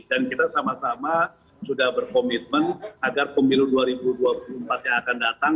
dan kita sama sama sudah berkomitmen agar pemilu dua ribu dua puluh empat yang akan datang